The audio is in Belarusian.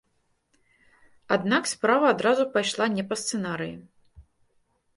Аднак справа адразу пайшла не па сцэнарыі.